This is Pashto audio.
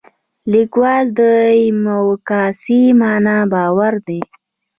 لیکوال دیموکراسي معنا باور دی.